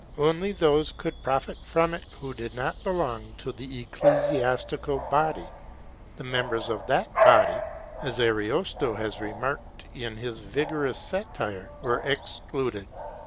Only those could profit from it who did not belong to the ecclesiastical body; the members of that body, as Ariosto has remarked in his vigorous satire, were excluded.